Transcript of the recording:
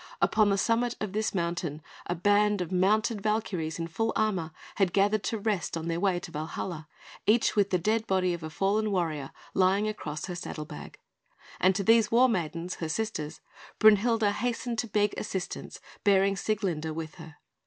Upon the summit of this mountain, a band of mounted Valkyries in full armour had gathered to rest on their way to Valhalla, each with the dead body of a fallen warrior lying across her saddle bag; and to these war maidens, her sisters, Brünhilde hastened to beg assistance, bearing Sieglinde with her.